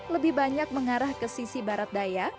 lebih banyak mengarah ke sisi barat daya